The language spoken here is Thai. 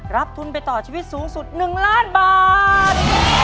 รับทุนไปต่อชีวิตสูงสุด๑ล้านบาท